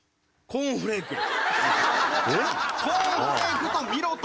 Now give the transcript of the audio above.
コーンフレークや。